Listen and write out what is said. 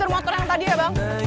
bermotor yang tadi ya bang